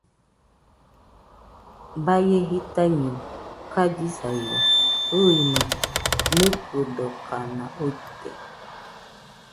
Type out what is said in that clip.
Baie jitaiño kallisairo, ɨima nɨkɨdokanauite